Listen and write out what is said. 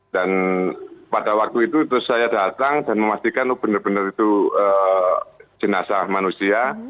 dan pada waktu itu terus saya datang dan memastikan itu bener bener jenazah manusia